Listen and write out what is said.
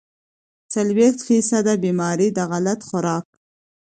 څلوېښت فيصده بيمارۍ د غلط خوراک